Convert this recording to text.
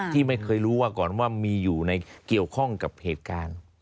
ที่ไม่เคยรู้ว่าก่อนว่ามีอยู่ในเกี่ยวข้องกับเหตุการณ์